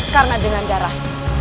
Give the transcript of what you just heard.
karena dengan darah